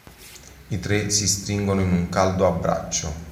I tre si stringono in un caldo abbraccio.